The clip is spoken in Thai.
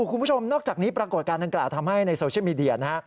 คุณผู้ชมนอกจากนี้ปรากฏการณ์ดังกล่าวทำให้ในโซเชียลมีเดียนะฮะ